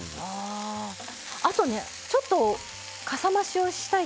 あとねちょっとかさ増しをしたいと。